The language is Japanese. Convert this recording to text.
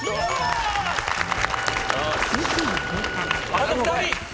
あと２人！